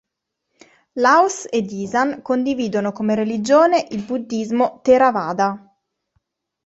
Laos ed Isan condividono come religione il Buddhismo Theravada.